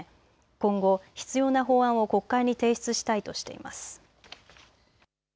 今後、必要な法案を国会に提出したいとしています。